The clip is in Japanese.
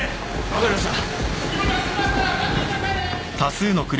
・分かりました。